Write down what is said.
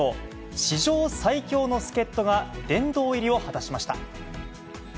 史上最強の助っ人が、殿堂入りを果たしました。